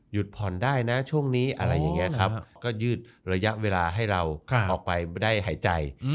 ผ่อนได้นะช่วงนี้อะไรอย่างนี้ครับก็ยืดระยะเวลาให้เราออกไปได้หายใจ